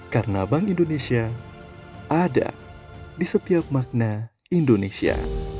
karena bank indonesia ada di setiap makna indonesia